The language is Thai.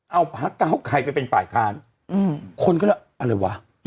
เอาพระกาวไกรเป็นฝ่ายการคนก็อะไรวะ